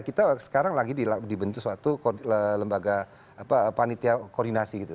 kita sekarang lagi dibentuk suatu lembaga panitia koordinasi gitu